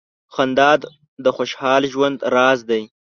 • خندا د خوشال ژوند راز دی.